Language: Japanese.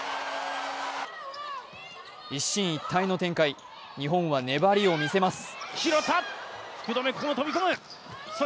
一進一退の展開、日本は粘りを見せます。